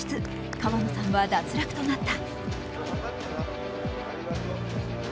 河野さんは脱落となった。